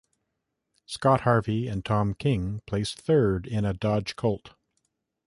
Scott Harvey and Tom King placed third in a Dodge Colt.